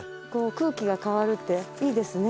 空気が変わるっていいですね。